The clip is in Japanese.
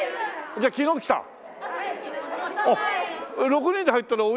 じゃあ昨日来た？